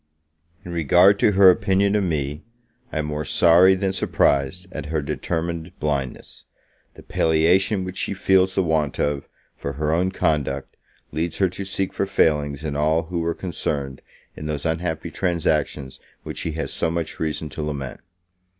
In regard to her opinion of me, I am more sorry than surprised at her determined blindness; the palliation which she feels the want of, for her own conduct, leads her to seek for failings in all who were concerned in those unhapppy transactions which she has so much reason to lament.